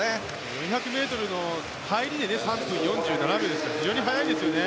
４００ｍの入りで３分４７秒ですから非常に速いですよね。